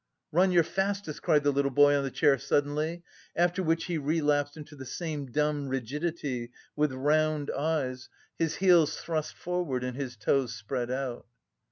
"Run your fastest!" cried the little boy on the chair suddenly, after which he relapsed into the same dumb rigidity, with round eyes, his heels thrust forward and his toes spread out.